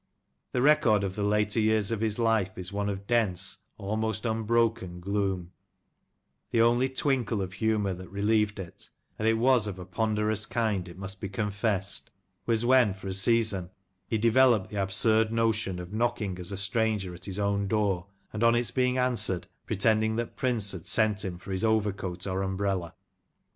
The record of the later years of his life is one of dense, almost unbroken, gloom \ the only twinkle of humour that relieved it, and it was of a ponderous kind it must be confessed, was when, for a season, he developed the absurd notion of knocking as a stranger at his own door, and on its being answered, pretending that Prince had sent him for his over coat or umbrella.